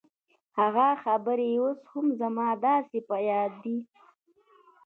هغه خبرې اوس هم زما داسې په ياد دي.